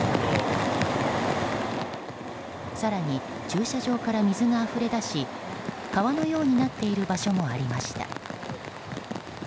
更に、駐車場から水があふれ出し川のようになっている場所もありました。